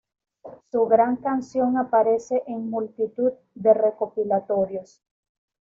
Su gran canción aparece en multitud de recopilatorios.